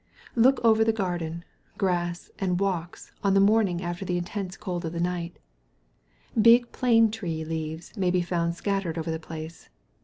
Look over the garden, grass, and walks on the morning after the intense cold of the night; big plane tree leaves may be found scattered over the place.